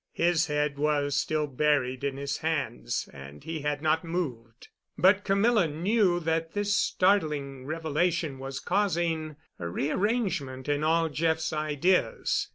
His head was still buried in his hands, and he had not moved. But Camilla knew that this startling revelation was causing a rearrangement of all Jeff's ideas.